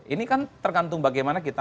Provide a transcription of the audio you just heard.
ini kan tergantung bagaimana kita